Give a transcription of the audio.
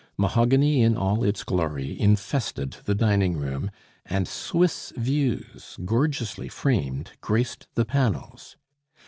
Mahogany in all its glory infested the dining room, and Swiss views, gorgeously framed, graced the panels.